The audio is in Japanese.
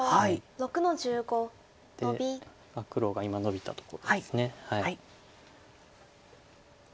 で黒が今ノビたところです。